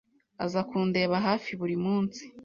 Aza kundeba hafi buri munsi.